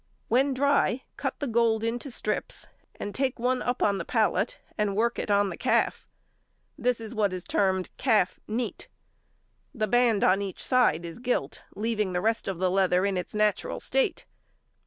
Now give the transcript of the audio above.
When dry, cut the gold into strips, and take one up on the pallet and work it on the calf. This is what is termed calf neat. The band on each side is gilt, leaving the rest of the leather in its natural state.